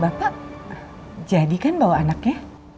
bapak jadikan bawa anaknya